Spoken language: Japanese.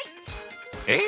え⁉